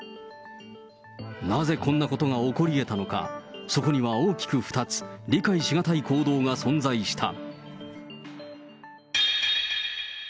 なぜこんなことが起こりえたのか、そこには大きく２つ、理解し難い行動が存在した。